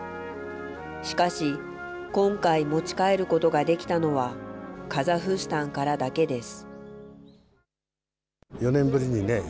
しかし、今回、持ち帰ることができたのは、カザフスタンからだけです。